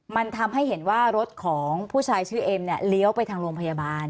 มันทำให้เห็นว่ารถของผู้ชายชื่อเอ็มเนี่ยเลี้ยวไปทางโรงพยาบาล